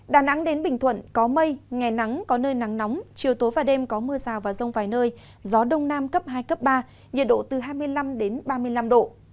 đà nẵng đến bình thuận có mây ngày nắng có nơi nắng nóng chiều tối và đêm có mưa rào và rông vài nơi gió đông nam cấp hai cấp ba nhiệt độ từ hai mươi năm ba mươi năm độ